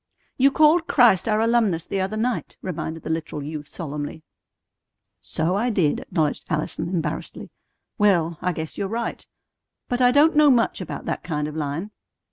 "You called Christ our alumnus the other night," reminded the literal youth solemnly. "So I did," acknowledged Allison embarrassedly. "Well, I guess you're right. But I don't know much about that kind of line."